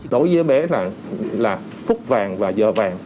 đối với bé là phút vàng và giờ vàng